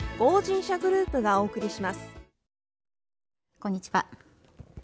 こんにちは。